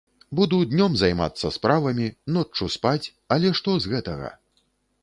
Буду днём займацца справамі, ноччу спаць, але што з гэтага?